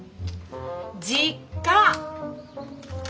実家！